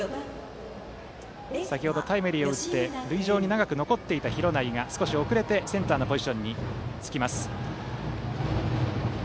先程、タイムリーを打って塁上に長く残っていた廣内が少し遅れてセンターのポジションにつきます。